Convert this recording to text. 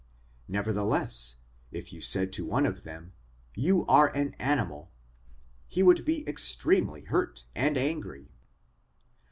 Nevertheless, if you said to one of them, You are an animal he would be extremely hurt and angry.